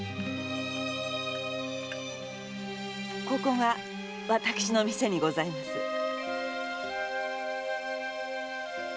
ここが私の店にございます。